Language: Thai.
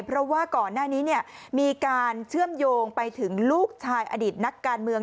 เพราะว่าก่อนหน้านี้มีการเชื่อมโยงไปถึงลูกชายอดีตนักการเมือง